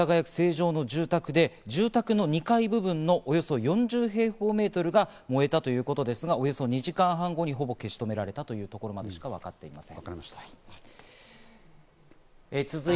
現在では世田谷区成城の住宅で住宅の２階部分のおよそ４０平方メートルが燃えたということですが、およそ２時間半後に、ほぼ消し止められたということです。